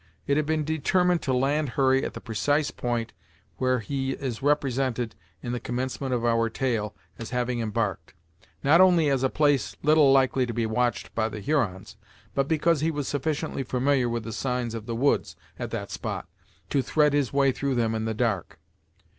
It had been determined to land Hurry at the precise point where he is represented, in the commencement of our tale, as having embarked, not only as a place little likely to be watched by the Hurons, but because he was sufficiently familiar with the signs of the woods, at that spot, to thread his way through them in the dark.